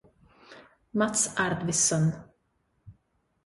Mats Arvidsson